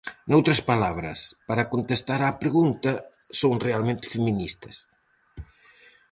Noutras palabras, para contestar á pregunta, son realmente feministas.